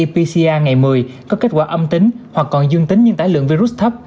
pcr ngày một mươi có kết quả âm tính hoặc còn dương tính nhưng tải lượng virus thấp